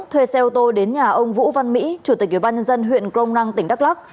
thuê xe ô tô đến nhà ông vũ văn mỹ chủ tịch ủy ban nhân dân huyện crom năng tỉnh đắk lắc